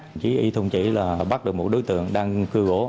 đồng chí y thông chỉ bắt được một đối tượng đang cưa gỗ